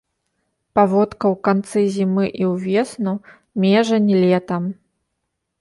Паводка ў канцы зімы і ўвесну, межань летам.